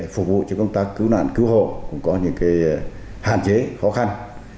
phục vụ cho công tác cứu nạn cứu hộ cũng có những hạn chế khó khăn